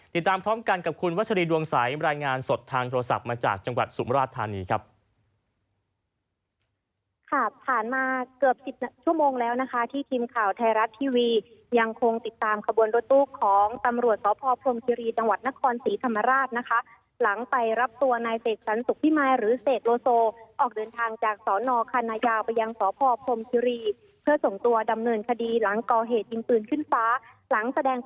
ติดตามพร้อมกันกับคุณวัชรีดวงใสรายงานสดทางโทรศัพท์มาจากจังหวัดสุมราชธานีครับ